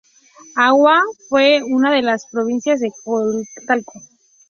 Awa fue una de las provincias de Tōkaidō.